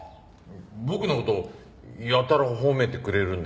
僕の事やたら褒めてくれるんだよね。